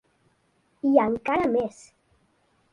I encara més.